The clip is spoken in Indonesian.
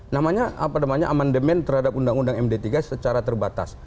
namanya apa namanya amandemen terhadap undang undang md tiga secara terbatas